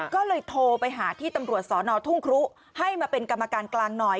ก็เลยโทรไปหาที่ตำรวจสอนอทุ่งครุให้มาเป็นกรรมการกลางหน่อย